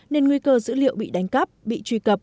nên nguy cơ dữ liệu bị đánh cắp bị truy cập